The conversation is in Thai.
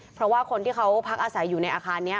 เพราะว่าคนที่เขาพักอาศัยอยู่ในอาคารนี้